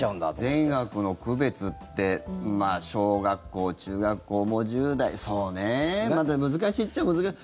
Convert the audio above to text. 善悪の区別って小学校、中学校、１０代そうね、難しいっちゃ難しい。